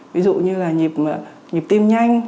ví dụ như là nhịp tim nhanh